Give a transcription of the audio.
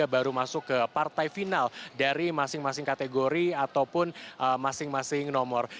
baru masuk ke partai final dari masing masing kategori ataupun masing masing nomor